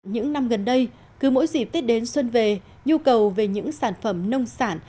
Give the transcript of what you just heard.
những năm gần đây cứ mỗi dịp tết đến xuân về nhu cầu về những sản phẩm nông sản